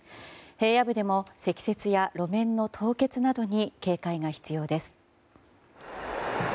平野部でも積雪や路面の凍結などに警戒が必要です。